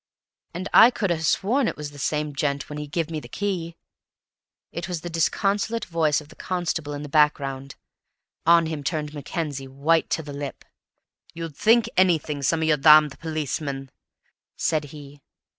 "And I could ha' sworn it was the same gent when he give me the key!" It was the disconsolate voice of the constable in the background; on him turned Mackenzie, white to the lips. "You'd think anything, some of you damned policemen," said he.